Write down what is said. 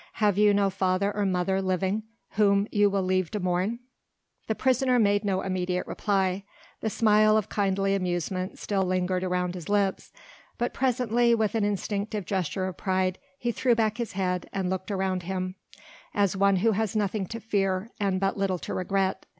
Have you no father or mother living whom you will leave to mourn?" The prisoner made no immediate reply, the smile of kindly amusement still lingered round his lips, but presently with an instinctive gesture of pride, he threw back his head and looked around him, as one who has nothing to fear and but little to regret.